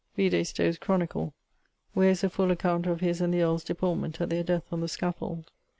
Vide Stowe's Chronicle, where is a full account of his and the earle's deportment at their death on the scaffold.